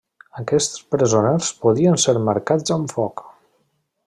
Aquests presoners podien ser marcats amb foc.